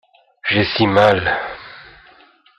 J'ai si mal.